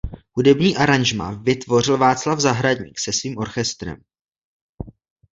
Hudební aranžmá vytvořil Václav Zahradník se svým orchestrem.